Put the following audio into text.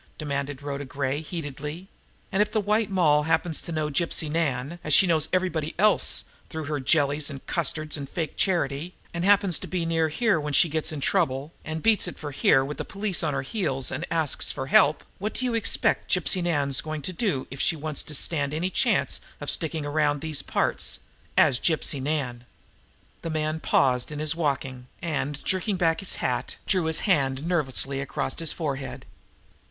demanded Rhoda Gray heatedly. "And if the White Moll happens to know Gypsy Nan, as she knows everybody else through her jellies and custards and fake charity, and happens to be near here when she gets into trouble, and beats it for here with the police on her heels, and asks for help, what do you expect Gypsy Nan's going to do if she wants to stand any chance of sticking around these parts as Gypsy Nan?" The man paused in his walk, and, jerking back his hat, drew his hand nervously across his forehead.